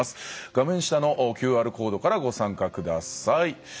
画面下のＱＲコードからご参加ください。